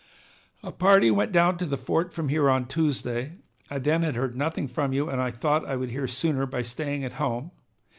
"A party went down to the fort from here on Tuesday. I then had heard nothing from you, and I thought I would hear sooner by staying at home.